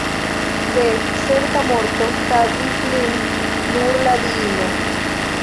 De certa morto savis lin nur la diino.